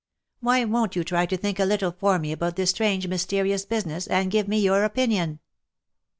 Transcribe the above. Why won't you try to think a little for me about this strange mysterious business, and give me your opinion